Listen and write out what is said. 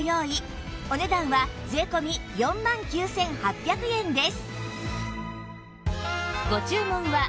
お値段は税込４万９８００円です